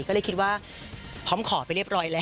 ก็เลยคิดว่าพร้อมขอไปเรียบร้อยแล้ว